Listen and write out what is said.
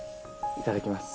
いただきます。